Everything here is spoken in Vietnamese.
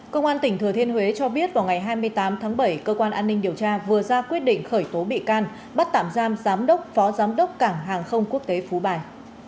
công an tỉnh thừa thiên huế cho biết vào ngày hai mươi tám tháng bảy cơ quan an ninh điều tra vừa ra quyết định khởi tố bị can bắt tạm giam giám đốc phó giám đốc cảng hàng không quốc tế phú bài